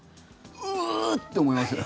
うーっ！って思いますよ。